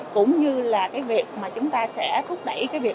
cũng như là cái việc mà chúng ta sẽ thúc đẩy cái việc